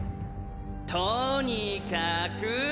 とにかく！